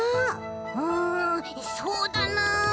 うんそうだな。